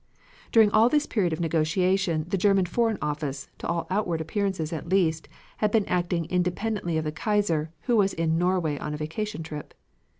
During all this period of negotiation the German Foreign Office, to all outward appearances at least, had been acting independently of the Kaiser, who was in Norway on a vacation trip.